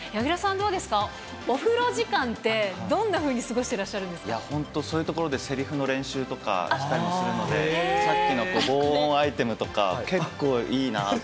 どうですか、お風呂時間って、どんなふうに過ごしてらっ本当、そういうところでせりふの練習とかしたりするので、さっきの防音アイテムとか、結構いいなって。